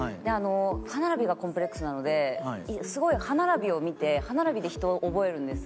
歯並びがコンプレックスなのですごい歯並びを見て歯並びで人を覚えるんですよ。